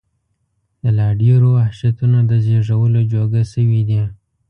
د لا ډېرو وحشتونو د زېږولو جوګه شوي دي.